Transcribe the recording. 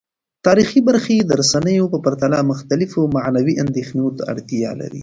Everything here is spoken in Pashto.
تاریخي برخې د رسنیو په پرتله مختلفو معنوي اندیښنو ته اړتیا لري.